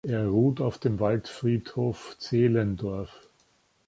Er ruht auf dem Waldfriedhof Zehlendorf.